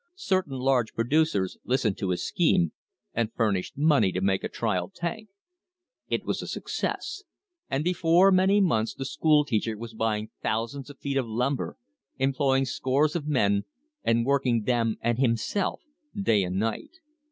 Certain large producers listened to his scheme and furnished money to make a trial tank. It was a success, and before many months the school teacher was buying thousands of feet of lumber, employing scores of men, and working them and himself — day and night.